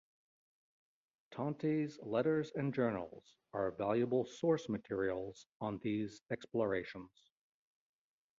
Tonti's letters and journals are valuable source materials on these explorations.